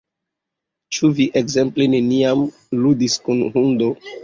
Ĉu vi ekzemple neniam ludis kun hundo?